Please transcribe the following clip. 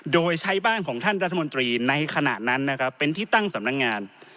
โดยใช้บ้านของท่านรัฐมนตรีในขณะนั้นนะครับเป็นที่ตั้งสำนักงาน